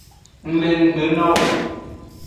Ng le nggbe no wo.